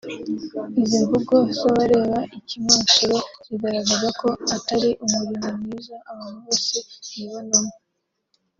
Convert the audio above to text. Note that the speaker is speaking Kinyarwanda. Izi mvugo z’abareba ikimansuro zigaragaza ko atari umurimo mwiza abantu bose bibonamo